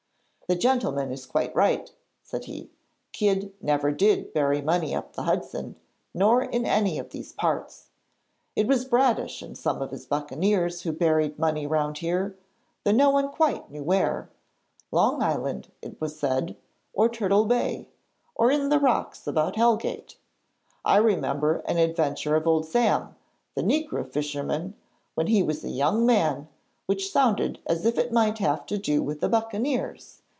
'The gentleman is quite right,' said he; 'Kidd never did bury money up the Hudson, nor in any of these parts. It was Bradish and some of his buccaneers who buried money round here, though no one quite knew where: Long Island, it was said, or Turtle Bay, or in the rocks about Hellgate. I remember an adventure of old Sam, the negro fisherman, when he was a young man, which sounded as if it might have to do with the buccaneers.